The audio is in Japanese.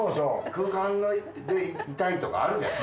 空間にいたいとかあるじゃん。